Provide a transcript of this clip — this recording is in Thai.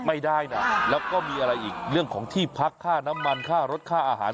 ไม่ได้นะแล้วก็มีอะไรอีกเรื่องของที่พักค่าน้ำมันค่ารถค่าอาหาร